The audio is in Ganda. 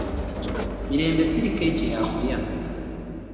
Mirembe siri keeki y'akulya .